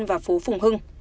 và phố phùng hưng